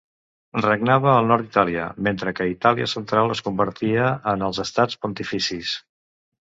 Regnava al nord d'Itàlia, mentre que Itàlia central es convertia en els Estats Pontificis.